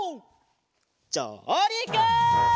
じょうりく！